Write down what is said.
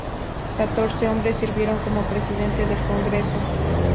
Catorce hombres sirvieron como presidente del Congreso.